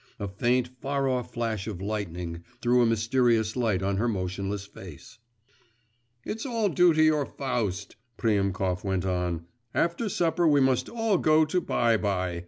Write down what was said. A faint, far off flash of lightning threw a mysterious light on her motionless face. 'It's all due to your Faust,' Priemkov went on. 'After supper we must all go to by by.